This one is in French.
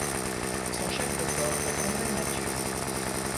Son chef de corps est André Mathieu.